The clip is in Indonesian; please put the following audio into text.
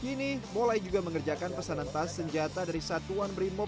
kini mulai juga mengerjakan pesanan tas senjata dari satuan brimob